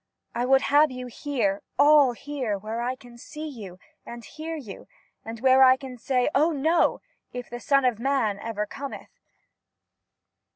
I would have you here, all here, where I can see you, and hear you, and where I can say * Oh, no,' if the *Son of Man' ever 'cometh'